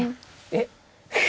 えっ？